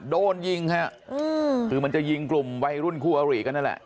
โดนยิงฮะคือมันจะยิงกลุ่มวัยรุ่นคู่อริกันนั่นแหละ